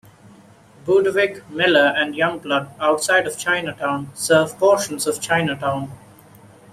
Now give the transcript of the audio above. Budewig, Miller, and Youngblood, outside of Chinatown, serve portions of Chinatown.